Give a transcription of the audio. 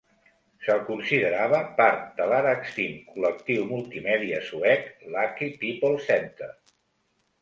Se'l considerava part de l'ara extint col·lectiu multimèdia suec Lucky People Center.